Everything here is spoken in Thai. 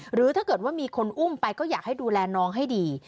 หรือถ้าเกิดว่ามีคนอุ้มไปก็อยากให้ดูแลน้องให้ดี